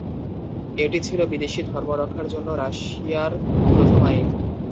এটি ছিল বিদেশী ধর্ম রক্ষার জন্য রাশিয়ার প্রথম আইন।